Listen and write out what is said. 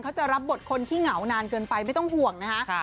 จะรับบทคนที่เหงานานเกินไปไม่ต้องห่วงนะคะ